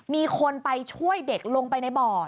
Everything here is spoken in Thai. มีคนไปช่วยเด็กลงไปในบ่อ